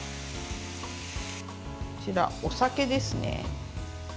こちら、お酒ですね。